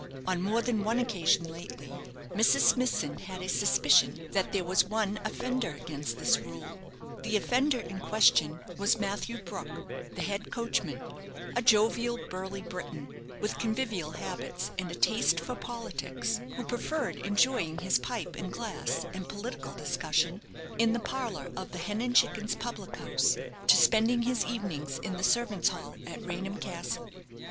On more than one occasion, lately, Mrs. Smithson had a suspicion that there was one offender against this rule. The offender in question was Matthew Brook, the head coachman, a jovial, burly Briton, with convivial habits and a taste for politics, who preferred enjoying his pipe and glass and political discussion in the parlour of the "Hen and Chickens" public house to spending his evenings in the servants' hall at Raynham Castle.